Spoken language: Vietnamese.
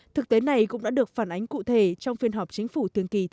thực tế này cũng đã được phản ánh cụ thể trong phiên họp chính phủ thường kỳ tám